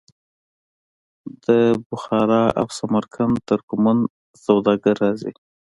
د بخارا او سمرقند ترکمن سوداګر راځي.